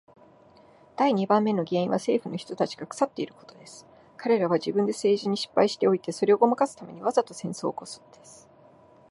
第二番目の原因は政府の人たちが腐っていることです。彼等は自分で政治に失敗しておいて、それをごまかすために、わざと戦争を起すのです。